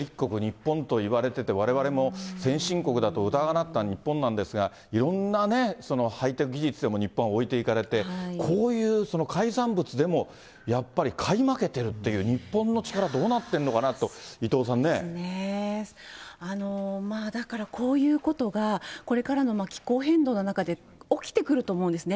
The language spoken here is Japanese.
日本といわれてて、われわれも先進国だと疑わなかった日本なんですが、いろんなね、ハイテク技術でも日本は置いていかれて、こういう海産物でもやっぱり買い負けてるっていう、日本の力、どまあ、だからこういうことがこれからの気候変動の中で起きてくると思うんですね。